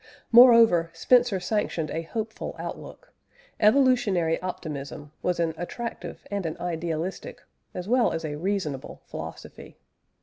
Moreover, Spencer sanctioned a hopeful outlook; evolutionary optimism was an attractive and an idealistic, as well as a reasonable philosophy.